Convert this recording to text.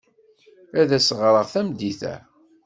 Ad as-ɣreɣ tameddit-a.